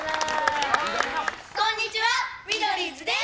こんにちはミドリーズです！